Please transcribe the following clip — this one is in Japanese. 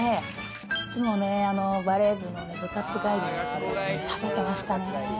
いつもバレー部の部活帰りの時に食べてましたね。